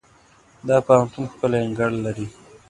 دا پوهنتون ښکلی انګړ لري.